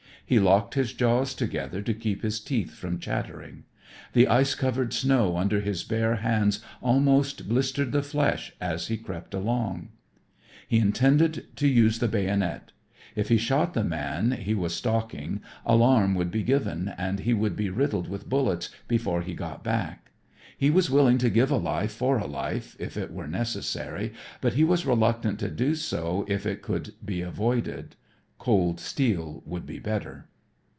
He locked his jaws together to keep his teeth from chattering. The ice covered snow under his bare hands almost blistered the flesh as he crept along. He intended to use the bayonet. If he shot the man he was stalking alarm would be given and he would be riddled with bullets before he got back. He was willing to give a life for a life if it were necessary, but he was reluctant to do so if it could be avoided. Cold steel would be better.